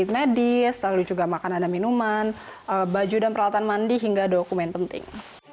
medis lalu juga makanan dan minuman baju dan peralatan mandi hingga dokumen penting